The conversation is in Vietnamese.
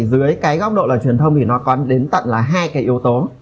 dưới cái góc độ là truyền thông thì nó có đến tận là hai cái yếu tố